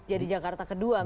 jadi jakarta kedua misalnya